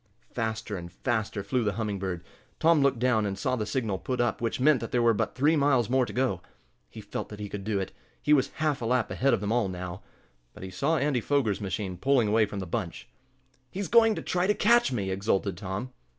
Faster and faster flew the Humming Bird. Tom looked down, and saw the signal put up which meant that there were but three miles more to go. He felt that he could do it. He was half a lap ahead of them all now. But he saw Andy Foger's machine pulling away from the bunch. "He's going to try to catch me!" exulted Tom.